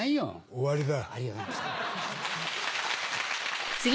終わりだ。